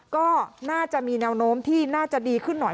ก็น่าจะมีแนวโน้มที่น่าจะดีขึ้นหน่อย